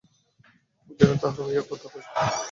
যেন তাহার হইয়া কথা কয়।